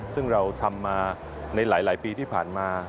ซึ่งเราทำมาในหลายปีที่ผ่านมา